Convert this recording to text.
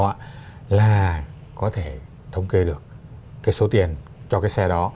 người dân dân cũng có thể tính toán chung số tiền cho xe đó